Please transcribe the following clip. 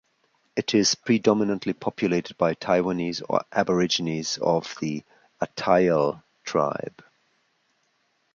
It is predominantly populated by Taiwanese aborigines of the Atayal Tribe.